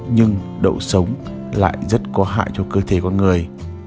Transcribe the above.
nhưng độ sống lại rất có hại cho cơ thể con người